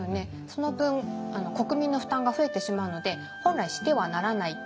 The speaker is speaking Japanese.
その分国民の負担が増えてしまうので本来してはならない。